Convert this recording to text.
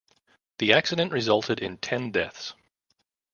The accident resulted in ten deaths.